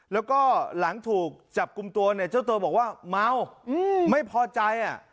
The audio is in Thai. แล้วก็หลังถูกจับกลุ่มตัวเนี่ยเจ้าตัวบอกว่าเมาไม่พอใจอ่ะ